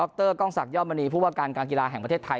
ก็ก้องศักดิ์เยาบรรณีพูดว่าการการกีฬาแห่งประเทศไทย